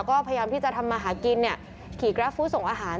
ก็พยายามที่จะทำมาหากินขี่กราฟฟู้ดส่งอาหาร